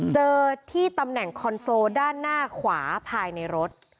เจอที่ตำแหน่งคอนโซลด้านหน้าขวาภายในรถ